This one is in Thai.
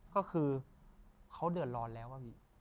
ก็คือเขาเดือดร้อนแล้วอะพี่